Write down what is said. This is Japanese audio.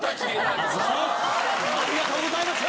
ありがとうございます！